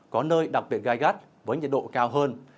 có nơi đặc biệt gai gắt với nhiệt độ cao hơn